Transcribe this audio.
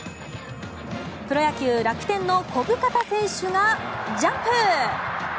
プロ野球、楽天の小深田選手がジャンプ！